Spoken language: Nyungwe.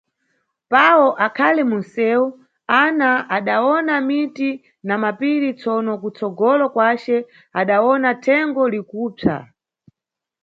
Pawo akhali munʼsewu, Ana adawona miti na mapiri, tsono kutsogolo kwace, adawona thengo likupsa.